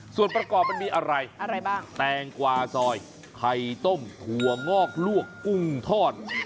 ส่วนประกอบมันมีอะไรอะไรบ้างแตงกวาซอยไข่ต้มถั่วงอกลวกกุ้งทอด